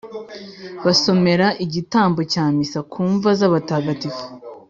basomera igitambo cya misa ku mva z’abatagatifu